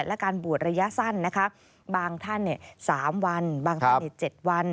และการบวชระยะสั้นนะคะบางท่าน๓วันบางท่าน๗วัน